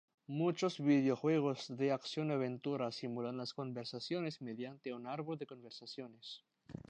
Muchos videojuegos de acción-aventura simulan las conversaciones mediante un árbol de conversaciones.